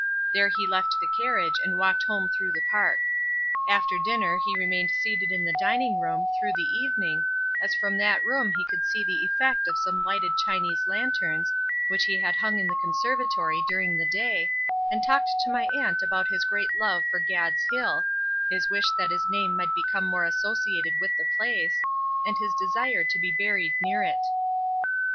There he left the carriage and walked home through the park. After dinner he remained seated in the dining room, through the evening, as from that room he could see the effect of some lighted Chinese lanterns, which he had hung in the conservatory during the day, and talked to my aunt about his great love for "Gad's Hill," his wish that his name might become more associated with the place, and his desire to be buried near it.